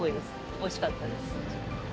おいしかったです。